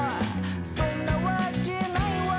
「そんなわけないわ」